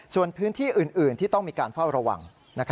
ส่วนพื้นที่อื่นที่ต้องมีการเฝ้าระวัง